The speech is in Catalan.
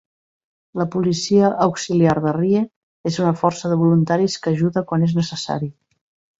La policia auxiliar de Rye és una força de voluntaris que ajuda quan és necessari.